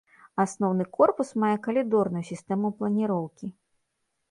Асноўны корпус мае калідорную сістэму планіроўкі.